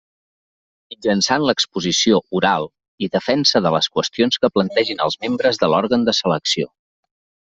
Mitjançant l'exposició oral i defensa de les qüestions que plantegin els membres de l'òrgan de selecció.